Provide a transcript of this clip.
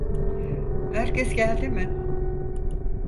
Herkes geldi mi?